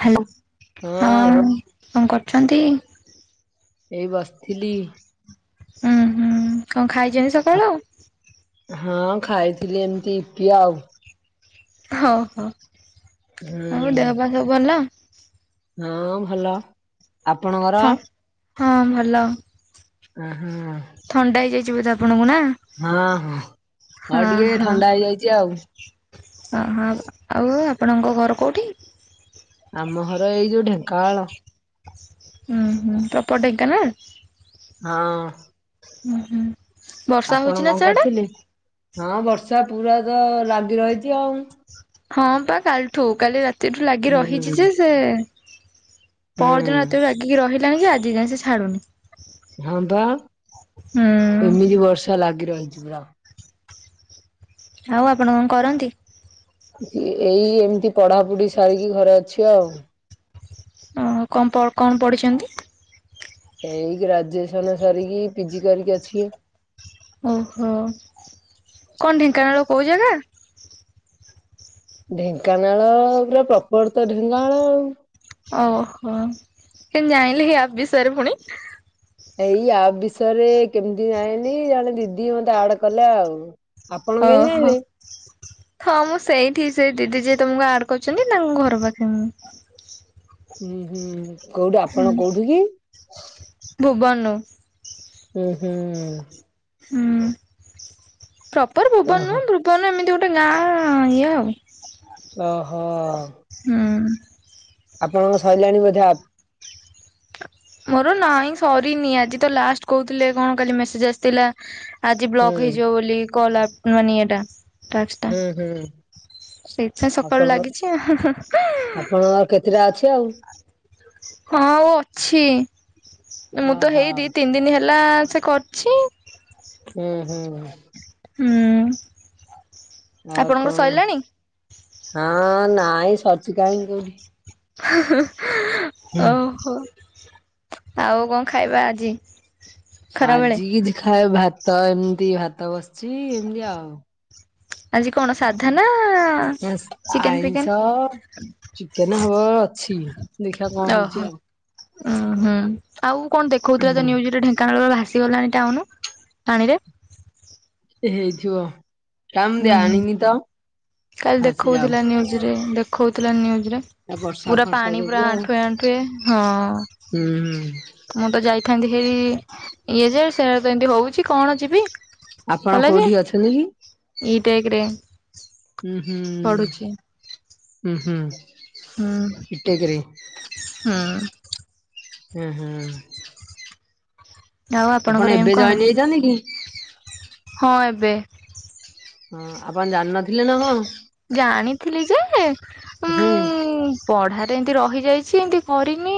Hello ହଁ। କଣ କରୁଛନ୍ତି? ଏଇ ବସିଥିଲି। ଉଁ ହୁଁ କଣ ଖାଇଚନ୍ତି ସକାଳୁ? ହଁ ଖାଇଥିଲି ଏମିତି ଇ ପି ଆଉ। ହଉ ହଉ ହୁଁ ଆଉ ଦେହ ପା ସବୁ ଭଲ? ହଁ ଭଲ ଥ ଆପଣଙ୍କର? ହଁ ଭଲ। ଉଁ ହୁଁ। ଥଣ୍ଡା ହେଇଯାଇଚି ବୋଧେ ଆପଣଙ୍କୁ ନା? ହଁ ହଁ ହ ହଁ ଟିକେ ଥଣ୍ଡା ହେଇଯାଇଛି ଆଉ। ହ ହଁ ଆଉ ଆପଣଙ୍କ ଘର କେଉଠି? ଆମ ଘର ଏଇ ଯୋଉ ଢ଼େଙ୍କାନାଳ। ହୁ ହୁଁ ପ୍ରପର ଢେଙ୍କାନାଳ? ହଁ। ହୁଁ ହୁଁ ବର୍ଷା ଆପଣ ହଉଚି ନା କଣ ସିଆଡେ? କରିଥିଲେ? ହଁ ବର୍ଷା ପୁରା ତ ଲାଗି ରହିଚି ଆଉ। ହଁ ପା କାଲିଠୁ କାଲି ରାତିଠୁ ଲାଗି ହୁଁ ରହିଛି ଯେ ସେ ହୁଁ ପଅରଦିନ ରାତି ଲାଗିକି ରହିଲାଣି ଯେ ଆଜି ଯାଏଁ ସିଏ ଛାଡୁନେହିଁ। ହଁ ପା ହୁଁ ଏମିତି ବର୍ଷା ଲାଗି ରହିଛି ପୁରା। ଆଉ ଆପଣ କଣ କରନ୍ତି? ଇ ଏଇ ଏମିତି ପଢାପୁଢି ସାରିକି ଘରେ ଅଛି ଆଉ। ଓହ କଣ କଣ ପଡ଼ିଛନ୍ତି? ଏଇ ଗ୍ରାଜୁଏସନ୍ ସରିକି ପି ଜି କରିକି ଅଛି। ଓହୋ କଣ ଢେଙ୍କାନାଳ କୋଉ ଜାଗା? ଢେଙ୍କାନାଳ ପୁରା ପ୍ରପର ତ ଢେଙ୍କାନାଳ ଆଉ। ଓହୋ କେମିତି ଜାଣିଲେ ଏ ଆପ୍ ବିଷୟ ରେ ପୁଣି? ଏଇ ଆପ୍ ବିଷୟରେ କେମିତି ଯାଣିଲି ଜଣେ ଦିଦି ମତେ ଆଡ୍ କଲା ଆଉ। ଆପଣ କେମିତି ଓହୋ। ଜାଣିଲେ? ଥ ମୁଁ ସେଇଠି ସେ ଦିଦି ଯିଏ ତମକୁ ଆଡ୍ କରଚନ୍ତି ତାଙ୍କ ଘର ପାଖେ ମୁଁ। ହୁଁ ହୁଁ କୋଉଠି ଆପଣ କୋଉଠି କି? ଭୁବନୁ। ଉଁ ହୁଁ। ହୁଁ ପ୍ରପର ଭୁବନ ଓହୋ ନୁହଁ ଭୁବନ ଏମିତି ଗୋଟେ ଗାଁ ଇଏ ଆଉ। ଓହୋ। ହୁଁ। ଆପଣଙ୍କ ସରିଲାଣି ବୋଧେ ଆପ ମୋର ନାଇଁ ସରିନି ଆଜି ତ ଲାଷ୍ଟ କହୁଥିଲେ କଣ କାଲି ମେସେଜ ଆସିଥିଲା? ଆଜି ହୁଁ ବ୍ଲକ ହେଇଯିବ ବୋଲି କଲ ଆପ ମାନେ ଏଇଟା। ଟାସ୍କ ଟା ହୁଁ ହୁଁ ସେଇଥିପାଇଁ ସକାଳୁ ଆପଣଙ୍କ ଲାଗିଛି ଆ ଆପଣଙ୍କର କେତେଟା ଅଛି ଆଉ? ହଁ ଆଉ ଅଛି ମୁଁ ତ ଓହୋ ହେଇଦି ତିନି ଦିନ ହେଲା ସେ କ ଛି ହୁଁ ହୁଁ। ହୁଁ। ଆଉ ଆପଣଙ୍କର କଣ ସରିଲାଣି ହଁ ନାଇଁ ସ ହୁଁ। ଓହୋ। ଆଉ କଣ ଖାଇବା ଆଜି? ଖରାବେଳେ ଆଜି କିଛି ଖାଏ ଭାତ ଏମିତି ଭାତ ବସିଛି ଏମତି ଆଉ। ଆଜି କଣ ସାଧା ନା ଚିକେନ ଫିକେନ ଆଇଁଷ ଚିକେନା ହବ ଅଛି ଦେଖିବା କଣ ହଉଛି ଆଉ? ଓ ହୁଁ ଆଉ କଣ ଦେଖଉଥିଲା ତ ହୁଁ ନ୍ୟୁଜରେ ଢେଙ୍କାନାଳର ଭାଷ ସି ଗଲାଣି ଟାଉନ ପାଣି ରେ। ହେଇଥିବ କାଇଁ ମୁଁ ହୁଁ ହୁଁ ଜାଣିନି ତ? କାଲି ଭାସିଯାଉ ଦେଖଉଥିଲା ନିୟୁଜ ରେ ଦେଖଉଥିଲା ନିୟୁଜ ରେ। ଆଉ ବର୍ଷା ପୁରା ଫର୍ଷା ପାଣି ଯୋଗୁ ପୁରା ଆଉ ଆଣ୍ଠୁଏ ଆଣ୍ଠୁଏ ହଁ। ହୁଁ ହୁଁ। ମୁଁ ତ ଯାଇଥାନ୍ତି ହେଇ ଇଏ ଯେଏ ସେ ତ ଏମିତି ହଉଛି କଣ ଯିବି? ଆପଣ କଲେଜ କୋଉଠି ଅଛନ୍ତି କି? ଇ ଟେକ ରେ। ହୁଁ ପଢୁଛି ହୁଁ ହୁଁ ଇ ଟେକରେ। ହଁ। ହୁଁ ହୁଁ। ଆଉ ଆପଣଙ୍କର ଆପଣ ଏମ୍ ଏବେ କଣ? ଜଏନ ହେଇଛନ୍ତି କି? ହଁ ଏବେ। ହଁ ଆପଣ ଜାଣିନଥିଲେ ନା କଣ? ଜାଣିଥିଲି ଯେ ହୁଁ। ମୁଁ ପଢାରେ ଏମତି ରହିଯାଇଛି ଏମତି କରିନି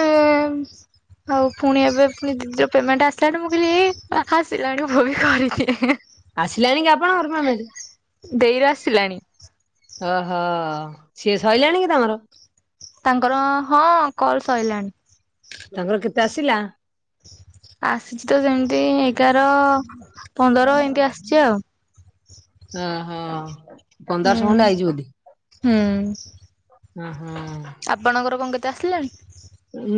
ଉଁ ଆଉ ପୁଣି ଏବେ ପୁଣି ଦିଦିର ପେମେଣ୍ଟ ଆସିଲାଣି ମୁଁ କହିଲି ଏଇ ପାଖା ଆସିଲାଣି ମୁଁ ବି କରିିଦିଏ। ଆସିଲାଣି କି ଆପଣଙ୍କର ପେମେଣ୍ଟ? ଦେଇ ର ଆସିଲାଣି। ଓହୋ ସିଏ ସରିଲାଣି କି ତମର? ତାଙ୍କର ହଁ କଲ ସରିଲାଣି। ତାଙ୍କର କେତେ ଆସିଲା? ଆସିଛି ତ ସେମିତି ଏଗାର ପନ୍ଦର ଏମିତି ଆସିଛି ଆଉ। ଓ ହଁ ପନ୍ଦରଶହ ହୁଁ। ଖଣ୍ଡେ ଆଇଚି ବୋଧେ? ହୁଁ ହୁଁ ହୁଁ। ଆପଣଙ୍କର କଣ କେତେ ଆସିଲାଣି?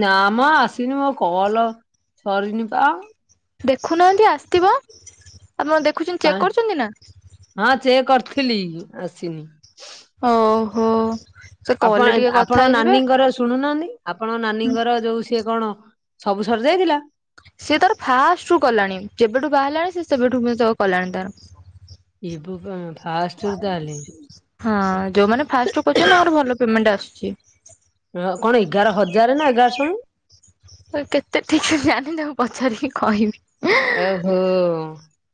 ନାମ ଆସିନି ମୋ କଲ ସରିନି ପା ଆ। ଦେଖୁନାହାନ୍ତି ଆସିଥିବ, ଆପଣ ଦେଖୁଛନ୍ତି ଚେକ୍ କରୁଛନ୍ତି ନା। ହଁ ଚେକ କରିଥିଲି ଆସିନି। ଓହୋ। ସେ ଆପଣ କଲେ ଏ ଟିକେ କଥା ଆପଣ ହେଇଯିବେ। ନାନୀଙ୍କର ଶୁଣୁନାହାନ୍ତି ଆପଣ ନାନୀଙ୍କର ଯୋଉ ସିଏ କଣ ସବୁ ସରିଯାଇଥିଲା? ସିଏ ତାର ଫାଷ୍ଟ ରୁ କଲାଣି ଯେବେଠୁ ବାହାରିଲାଣି ସେ ସେବେଠୁ ବି ତ କଲାଣି ତାର। ଏ ଭଗବା ଫାଷ୍ଟରୁ ତାହେଲେ? ହଁ ଯୋଉମାନେ ଫାଷ୍ଟରୁ କରୁଚନ୍ତି ତାଙ୍କର ଭଲ ପେମେଣ୍ଟ ଆସୁଛି। ହ କଣ ଏଗାର ହଜାର ନା ଏଗାରଶହ ମ୍? ଆଉ କେତେ ଠିକ୍ସେ ଜାଣିନି ତାଙ୍କୁ ପଚାରିକି କହିବି। ଓହୋ,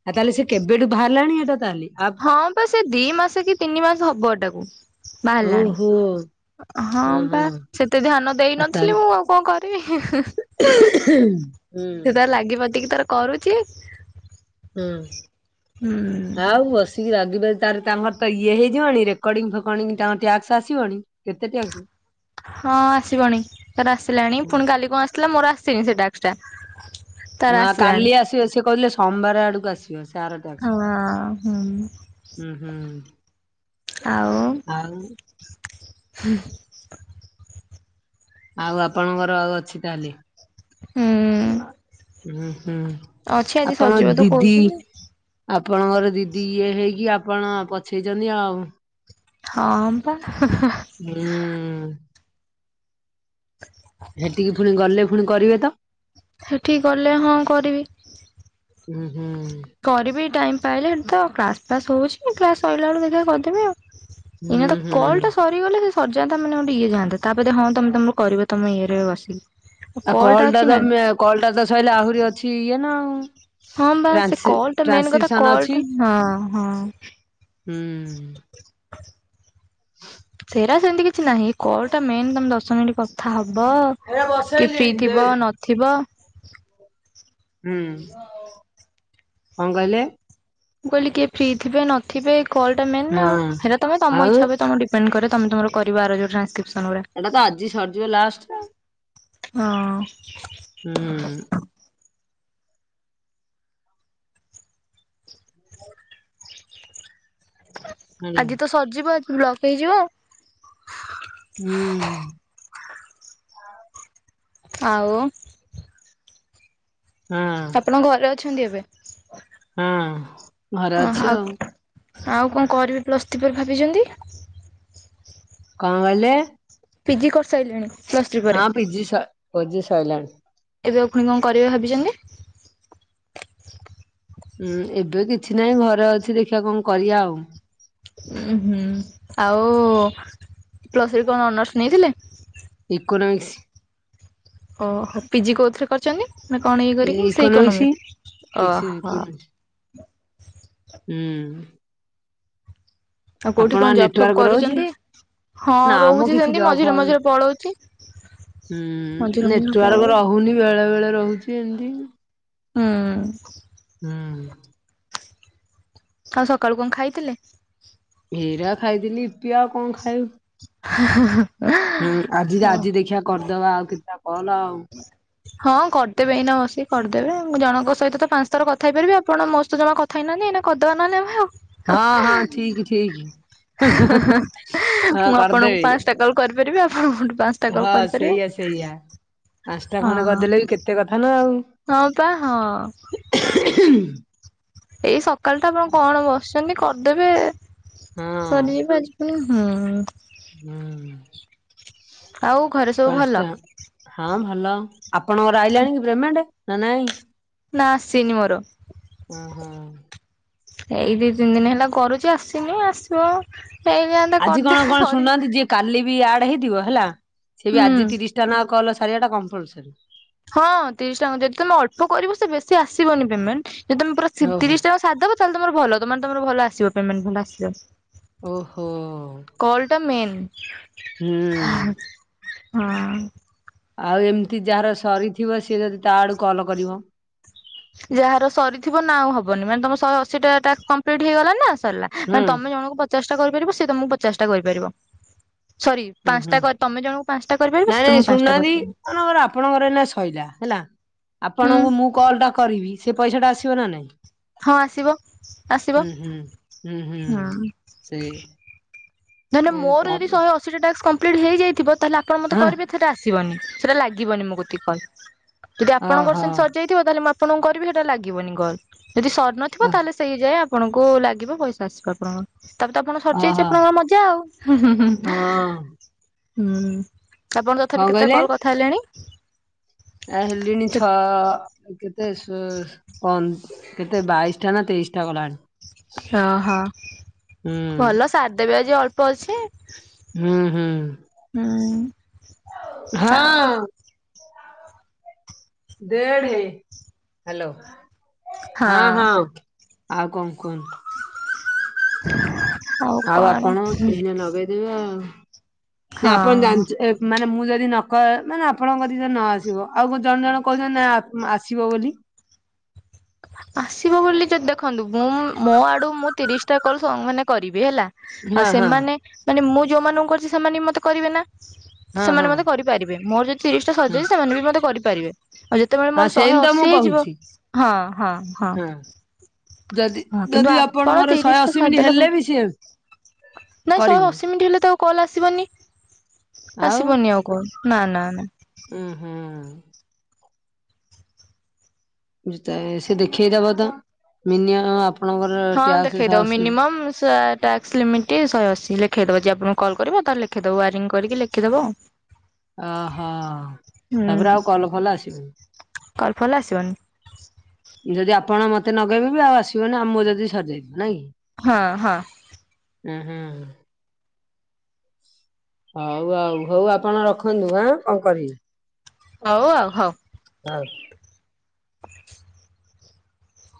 ଆଉ ତାହେଲେ ସେ କେବେଠୁ ବାହାରିଲାଣି ଏଟା ତାଲି ଆପ୍ ହଁ ଟା ପା ସେ ଦି ମାସେ କି ତିନି ମାସେ ହବ ଏଟାକୁ। ବାହାରିଲାଣି। ଓହୋ। ହଁ ପାଁ ସେତେ ଧ୍ୟାନ ଦେଇ ଆ ନଥିଲି ତାହେଲେ ମୁଁ ଆଉ କଣ କରିବି, ହି-ହି-ଇନ୍। ହୁଁ ସେ ତାର ଲାଗି ପାତିକି ତାର କରୁଚି। ହୁଁ ଆଉ ବସିକି [unintelligible] ମୁଁ କହିଲି ତାଙ୍କର ତ ଇଏ ହେଇଯିବଣି ରେକର୍ଡିଙ୍ଗ ଫେକର୍ଡିଙ୍ଗ ତାଙ୍କର ଟ୍ୟାକ୍ସ ଆସିବଣି? କେତେ ଟ୍ୟାକ୍ସ? ହଁ ଆସିବଣି ତାର ଆସିଲାଣି ପୁଣି କାଲି କଣ ଆସିିଥିଲା, ମୋର ଆସିନି ସେ ଟ୍ୟାକ୍ସଟା। ଆ କାଲି ଆସିବ ସେ କହିଲେ ସୋମବାର ଆଡକୁ ଆସିବ ସେ ଆରଟ୍ୟାକ୍ସ। ହଁ ହୁଁ। ହୁଁ, ହୁଁ। ଆଉ ଆଉ ଆଉ ଆପଣଙ୍କର ଆଉ ଅଛି ତାହେଲେ? ହୁଁ। ଓଁ ହୁଁ ଅଛି ଆଜି ସଜିବ ଆପଣଙ୍କ ତ ଦିଦି କହୁଛନ୍ତି ଆପଣଙ୍କର ଦିଦି ଇଏ ହେଇକି ଆପଣ ପଛେଇଛନ୍ତି ଆଉ। ହଁ ପା ହେ-ହେ। ହୁଁ। ହେଠିକି ଫୁଣି ଗଲେ ଫୁଣି କରିବେ ତ? ହେଠିକି ଗଲେ ହଁ କରିବି। ହୁଁ, ହୁଁ। କରିବି ଟାଇମ୍ ପାଇଲେ ସେଠି ତ କ୍ଲାସ୍ ଫ୍ଲାସ୍ ହଉଛି କ୍ଲାସ୍ ସଇଲା ବେଳକୁ ଦେଖିଆ କରିଦେବି ଆଉ। ହୁଁ ଏଇନା ତ ହୁଁ। କଲ୍ ଟା ସ ସରି ଗଲେ ସେ ସରିଯାନ୍ତା ମାନେ ଗୋଟେ ଇଏ ଯାଆନ୍ତା, ତାପରେ ହଁ ତମେ ତମର କରିବ ତମ ଇଏରେ ବସିକି। ଆ କଲ କଲ୍ ଟା ଅଛି ତ ନା ମେ କଲ୍ ଟା ତ ସଇଲେ ଆହୁରି ଅଛି ଇଏ ନା ଆଉ। ହଁ ମ୍ବା ସେ ଟ୍ରାନ୍ସି କଲ୍ ଟା ମେନ୍ କଥା ଟ୍ରାନ୍ସକ୍ରିପସନ କଲ ଅଛି ଟା ହଁ-ହଁ। ହୁଁ। [inaudible] [inaudible] ସେରା ସେମିତି କିଛି ନାହିଁ, କଲ୍ ଟା ମେନ୍ ତମେ ଦଶ ମିନଟ୍ କଥା ହବ। ଏରା କି ଫ୍ରି ବସେଇଲିଣି ଥିବ ଦେଖ୍ ନଥିବ। ହୁଁ କଣ କହିଲେ? ମୁଁ କହିଲି କିଏ ଫ୍ରି ଥିବେ ନଥିବେ କଲ୍ ଟା ମେନ୍ ନା ଆଉ, ହଁ। ହେଟା ତମେ ତମ ଆଉ ଇଚ୍ଛା ଉପରେ ଡି ପେଣ୍ଡ କରେ, ତମେ ତମର କରିବାର ଯୋଉ ଟାନ୍କ୍ରିପସନ୍ ଗୁରା। ଏଇଟା ତ ଆଜି ସରିଯିବ ଲାଷ୍ଟ ଆଉ ହଁ। ହୁଁ। ହେଲା ହୁଁ। ଆଜି ତ ସରିଯିବ ଆଜି ବ୍ଲକ ହେଇଯିବ ଆଉ। ହୁଁ। ଆଉ ହଁ। ଆପଣଙ୍କ ଘରେ ଅଛନ୍ତି ଏବେ? ହଁ। ଘରେ ଓ ଅଛି ଆଉ ଆଉ କଣ କରିବେ ପ୍ଲସଥ୍ରିପରେ ଭାବିଛନ୍ତି। କଣ କହିଲେ? ପିଜି କରିସାରିଲେଣି? ପ୍ଲସ୍ ଥ୍ରୀ ପରେ ହଁ ପିଜି ସ ପିଜି ସଇଲାଣି। ଏବେ ଫୁଣି କଣ କରିବେ ଭାବିଛନ୍ତି? ହୁଁ ଏବେ କିଛି ନାହିଁ ଘରେ ଅଛି ଦେଖିବା କଣ କରିବା ଆଉ। ଉ ହୁଁ ଆଉ ପ୍ଲସଥ୍ରିରେ କଣ ଅନର୍ସ ନେଇଥିଲେ? ଇକୋନମିକ୍ସ। ଓହୋ ପିଜି କୋଉଥିରେ କରିଛନ୍ତି ନା କଣ ଇଏ କରିକି ସେଇ ଇକୋନୋମିକ୍ସ ଇକୋନମିକ୍ସ ଓହୋ। ଇକୋନୋମିକ୍ସ। ହୁଁ। ଆଉ କୋଉଠି କଣ ଆପଣଙ୍କ ଜବ୍ ଫବ୍ ନେଟୱାର୍କ ରହୁଛି କରୁଛନ୍ତି? ହଁ ନା ଆମ ରହୁଛି କିଛି ସେମିତି ମଝିରେ ଜବାଉନି। ମଝିରେ ପଳଉଛି ହଁ ମଝିରେ ମଝିରେ ପଳଉ ନେଟୱାର୍କ ରହୁନି ବେଳେ ବେଳେ ରହୁଛି ଏମିତି। ହୁଁ। ହୁଁ। ଆଉ ସକାଳୁ କଣ ଖାଇଥିଲେ? ଇରା ଖାଇଥିଲି ଇପି ଆଉ କଣ ଖାଇଵ। ହୁଁ ଆଜି ତ ଆଜି ଦେଖିବା କରିଦବା ଆଉ କେତେଟା କଲ ଆଉ। [inaudible] ହଁ କରିଦେବେ ଏଇନା ବସିକି କରିଦେବେ ମୁଁ ଜଣଙ୍କ ସହିତ ତ ପାଞ୍ଚ ଥର କଥାହେଇ ପାରିବେ ଆପଣ ମୋସ୍ତ ଜମା କ ଥାଇନାହାନ୍ତି ଏଇନା କରିଦବା ନହଲେ ଆଉ। ହଁ ହଁ ଠିକ ଠିକ୍। ହଁ ହଁ ମୁଁ ଆପଣଙ୍କୁ ପାଞ୍ଚଟା କଲ୍ କରିପାରିବି ଆପଣଙ୍କଠୁ ପାଞ୍ଚ ହଁ ସେଇଆ ସେଇଆ ପାଞ୍ଚଟା ଖଣ୍ଡେ ହଁ। କରିଦେଲେ ବି କେତେ କଥା ନା ଆଉ। ହଁ ପା ହଁ। [inaudible] ଏଇ ସକାଳ ଟା ଆପଣ କଣ ବସିଛନ୍ତି କରିଦେବେ ହଁ ସରିଯିବ ଆଜି ହଁ। ହୁଁ ଆଉ ଘରେ ସବୁ ଭଲ ପାଞ୍ଚଟା। ହଁ ଭଲ ଆପଣଙ୍କର ଆଇଲାଣି କି ପ୍ରେମେଣ୍ଟ ନା ନାଇଁ? ନା ଆସିନି ମୋର। ହଁ ହଁ। ଏଇ ଦି ତିନି ଦିନ ହେଲା କରୁଛି ଆସିନି ଆସିବ ହେଇଯା ଆଜି କଣ କଣ ଶୁଣୁନାହାନ୍ତି ଯିଏ କାଲି ବି ଆଡ ହେଇଥିବ ହେଲା ସେ ବି ହୁଁ ଆଜି ତିରିଶ ଟା ନ କଲ ସାରିଆ ଟା କମ୍ପଲସରି। ହଁ ତିରିଶ ଟଙ୍କା ଯଦି ତମେ ଅଳ୍ପ କରିବ ସେ ବେଶୀ ଆସିବନି ପେମେଣ୍ଟ ଯଦି ତମେ ପୁରା ଓହୋ ତିରିଶ ଟା। ସାରଦବ ତାହେଲେ ତମର ଭଲ ତମମାନେ ତମର ଭଲ ଆସିବ ପେମେଣ୍ଟ ଭଲ ଆସିବ। ଓହୋ। କଲ୍ ଟା ମେନ୍ ହୁଁ ହା ହଁ। ଆଉ ଏମତି ଯାହାର ସରିଥିବ ସିଏ ଯଦି ତା ଆଡ଼ୁ କଲ କରିବ ଯାହାର ସରିଥିବ ନା ଆଉ ହବନି ମାନେ ତମ ଶହେ ଅଶୀଟା ଟାସ୍କ କମ୍ପ୍ଲିଟ ହେଇଗଲା ନା ସରଲା। ହୁଁ ମାନେ ତମେ ଜଣଙ୍କୁ ପଚାଶ ଟା କରିପାରିବ ସେ ତମକୁ ପଚାଶ ଟା କରିପାରିବ ସରି। ହୁଁ ହୁଁ ପାଞ୍ଚଟା ତମେ ଜଣଙ୍କୁ ପାଞ୍ଚଟା କରିପାରିବ ସେ ନାଇଁ ତମକୁ ନାଇଁ ପାଞ୍ଚଟା ଶୁଣୁନାହାନ୍ତି କରିପାରିବ ମନେକର ଆପଣଙ୍କର ଏଇନା ଶଇଲା ହେଲା ହୁଁ ଆପଣଙ୍କୁ ମୁଁ କଲ୍ ଟା କରିବି ସେ ପଇସା ଟା ଆସିବ ନା ନାଇଁ? ହଁ ଆସିବ ଆସିବ ହୁଁ। ସେ ଧରିନିଅ ମୋର ଯଦି ଶହେ ଅଶୀ ଟା ଟାକ୍ସ କମ୍ପ୍ଲିଟ୍ ହେଇ ଯାଇଥିବ ତାହେଲେ ଆପଣ ମତେ ହଁ କରିବେ ସେଟା ଆସିବନି ସେଟା ଲାଗିବନି ମୋ କତିକ କଲ୍ ଯଦି ଆପଣଙ୍କର ଓହୋ ସେମତି ସର୍ ଯାଇଥିବ ତାହେଲେ ମୁଁ ଆପଣଙ୍କୁ ହେଟା ଲାଗିବନି କଲ୍ ଯଦି ସରନଥିବ ତାହେଲେ ସେଇ ଯାଏ ଆ ଆପଣଙ୍କୁ ଲାଗିବ ପଇସା ଆସିବ ଆପଣଙ୍କ ତାପରେ ତ ଆପଣ ଓହୋ ସରିଯାଇଚି ହଁ ଆପଣଙ୍କର ମଜ ଆଉ ହୁଁ ହୁଁ ହୁଁ କଣ ହୁଁ ଆପଣ ତଥାପି କେତେଟା କଲ୍ କରି ଥାଇଲେଣି? ଆ ହେଲିଣି ଛଅ ଅ କେତେ ଶ ପନ୍ କେତେ ବାଇଶ ଟା ନା ତେଇଶଟା ଗଲାଣି। ଓହୋ ହୁଁ ଭଲ ସାରଦେବେ ଆଜି ଅଳ୍ପ ଅଛି। ହୁଁ ହୁଁ। ହୁଁ। ଆଉ ହଁ ଦେଢ଼େ ହାଲୋ ହଁ ହଁ। ଆଉ କଣ କୁହନ୍ତୁ? ଆଉ ଆପଣ ଏଇନା ନଗେଇଦେବେ ଆଉ ନା ଆପଣ ହଁ। ଜାଣିଚ ଏ ମାନେ ମୁଁ ଯଦି ନକରେ ମାନେ ଆପଣଙ୍କ କତିକି ଯଦି ନ ଆସିବ ଆଉ କୁ ଜଣ ଜଣ କହୁଚନ୍ତି ନା ଆପ୍ ଆସିବ ବୋଲି। ଆସିବ ବୋଲି ଯଦି ଦେଖନ୍ତୁ ମୁଁ ମୋ ଆଡୁ ମୁଁ ତିରିଶ ଟା କଲ ସମ୍ ମାନେ କରିବି ହେଲା। ଆଉ ହଁ ହଁ ସେମାନେ ମାନେ ମୁଁ ଯୋଉମାନଙ୍କୁ କରୁଚି ସେମାନେ ବି ମତେ କରିବେ ନା। ହଁ ସେମାନେ ହଁ ମତେ କରିପାରିବେ ମୋର ଯଦି ତିରିଶ ଟା ହଁ ସରଯାଇଚି ସେମାନେ ବି ମତେ କରିପାରିବେ। ଆଉ ଯ ସେତେବେଳେ ହଁ ମୋର ଶହେ ସେମିତି ତ ଅଶୀ ମୁଁ ହେଇଯିବ କହୁଛି ହଁ ହଁ ହଁ। ଯଦି ହଁ କିନ୍ତୁ ଯଦି ଆପଣ ଆପଣଙ୍କର ଶହେ ତିରିଶ ଟା ଅଶୀ ମିନିଟ୍ ସାରଦେଲେ ହେଲେ ବି ସିଏ ବହୁତୁ ନାଇଁ ଶହେ କରିବେ ଅଶୀ ଇ ମିଣ୍ଟି ହେଲେ ତ ଆଉ କଲ ଆସିବନି ଆସିବନି ଆଉ କଲ ନା ନା ନା। ଉଁହୁଁ। ବୁଝିତ ଏ ସେ ଦେଖେଇ ଦବ ତ ମନିୟମ୍ ଆପ ହଁ ଦେଖେଇଦବ ମିନିମମ୍ ସାର୍ ଟାକ୍ସ ଲିମିଟ୍ ଶହେ ଅଶୀ ଲେଖେଇଦେବ ଯିଏ ଆପଣଙ୍କୁ କଲ୍ କରିବ ତାର ଲେଖେଇଦବ ୱାରିଙ୍ଗ କରିକି ଲେଖିଦବ ଆଉ। [unintelligible] ଓହୋ ତାପରେ ଆଉ କଲ୍ ଫଲ୍ ଆସିବନି। କଲ୍ ଫଲ୍ ଆସିବନି। ଯଦି ଆପଣ ମତେ ନଗେଇବେ ବି ଆଉ ଆସିବନି ଆଉ ମୋର ଯଦି ସରିଯାଇଥିବ ନାଇଁ କି? ହଁ ହଁ। ଉଁ ହୁଁ ହୁଁ। ହଉ ଆଉ ହଉ ଆପଣ ରଖନ୍ତୁ ଆଁ କଣ କରିବି? ହଉ ଆଉ ହଉ। ହଉ। [unintelligible]